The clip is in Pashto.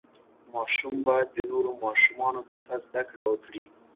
ماشوم باید د نورو ماشومانو څخه زده کړه وکړي.